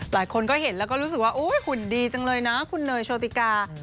หลายคนก็เห็นแล้วก็รู้สึกว่าหุ่นดีจังเลยนะคุณเนยโชติกา